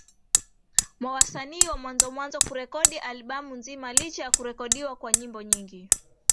mwa wasanii wa mwanzo mwanzo kurekodi albamu nzima Licha ya kurekodiwa kwa nyimbo nyingi